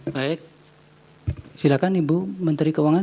baik silakan ibu menteri keuangan